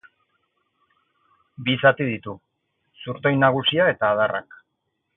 Bi zati ditu: zurtoin nagusia eta adarrak.